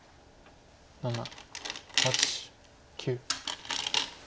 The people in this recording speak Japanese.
７８９。